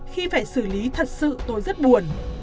khi phải xử lý thật sự tôi rất buồn